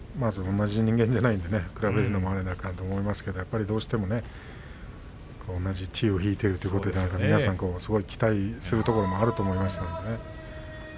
同じ人間ではないので比べるのもあれですけどどうしてもね血を引いているということで皆さん期待するところもあると思います。